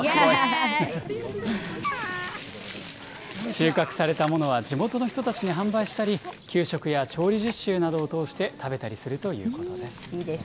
収穫されたものは地元の人たちに販売したり、給食や調理実習などを通して食べたりするということです。